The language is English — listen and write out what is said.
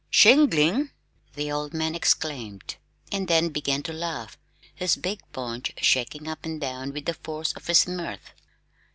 "Shingling!" the old man exclaimed, and then began to laugh, his big paunch shaking up and down with the force of his mirth.